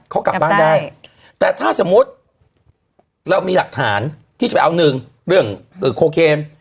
เขากลับบ้านได้แต่ถ้าสมมุติเรามีหลักฐานที่จะไปเอาหนึ่งเรื่องโคเคน